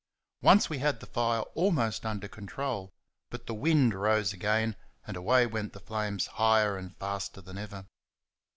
Once we had the fire almost under control; but the wind rose again, and away went the flames higher and faster than ever.